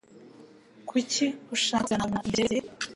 Kuki ushaka kuvugana na Habimana kubyerekeye?